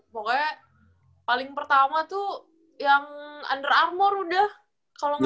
pokoknya paling pertama tuh yang under armour udah